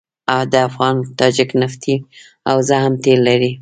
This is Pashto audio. د افغان تاجک نفتي حوزه هم تیل لري.